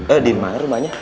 eh di mana rumahnya